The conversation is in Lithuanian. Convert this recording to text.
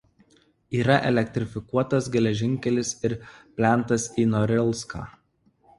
Yra elektrifikuotas geležinkelis ir plentas į Norilską.